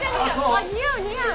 あっ似合う似合う！